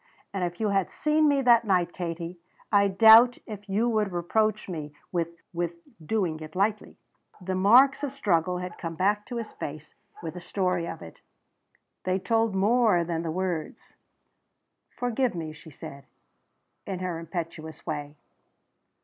And if you had seen me that night, Katie, I doubt if you would reproach me with 'doing it lightly.'" The marks of struggle had come back to his face with the story of it. They told more than the words. "Forgive me," she said in her impetuous way.